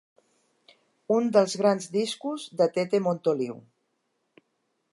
Un dels grans discos de Tete Montoliu.